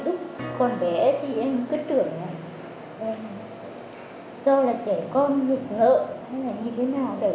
tức con bé thì em cứ tưởng là do là trẻ con nhục lợi hay là như thế nào đấy